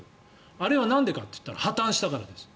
あれはなんでかといったら破たんしたからです。